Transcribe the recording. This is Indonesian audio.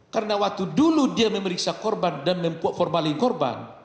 karena waktu dulu dia memeriksa korban dan memformalikan korban